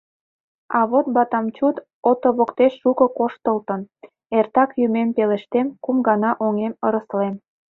А вот батаммчуд ото воктеч шуко коштылтын — эртак юмем пелештем, кум гана оҥем ыреслем.